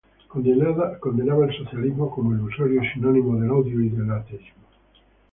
Condenaba el socialismo como ilusorio y sinónimo del odio y el ateísmo.